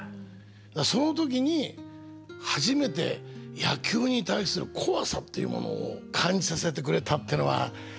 その時に初めて野球に対する怖さっていうものを感じさせてくれたっていうのは。